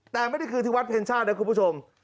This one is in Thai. แต่ไม่ได้คือที่วัดเพ็ญชาตินะคุณผู้ชม